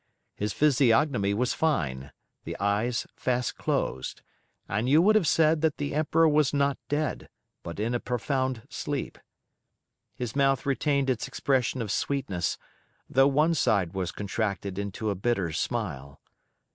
His physiognomy was fine, the eyes fast closed, and you would have said that the Emperor was not dead, but in a profound sleep. His mouth retained its expression of sweetness, though one side was contracted into a bitter smile.